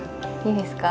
いいですか？